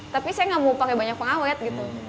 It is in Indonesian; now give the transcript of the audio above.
tapi saya nggak mau pakai banyak pengawet gitu